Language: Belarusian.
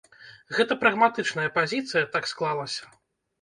Гэта прагматычная пазіцыя, так склалася.